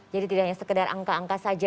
jadi tidak hanya sekedar angka angka saja